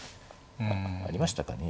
ありましたかね。